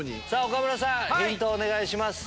岡村さんヒントをお願いします。